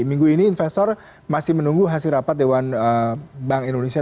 minggu ini investor masih menunggu hasil rapat dewan bank indonesia